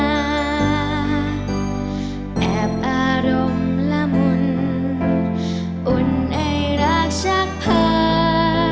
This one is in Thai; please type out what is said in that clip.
แอบอารมณ์ละมุนอุ่นไอรักชักพา